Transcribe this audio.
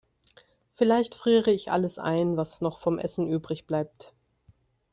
Vielleicht friere ich alles ein, was noch vom Essen übrigbleibt.